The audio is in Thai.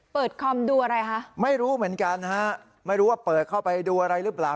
คอมดูอะไรฮะไม่รู้เหมือนกันฮะไม่รู้ว่าเปิดเข้าไปดูอะไรหรือเปล่า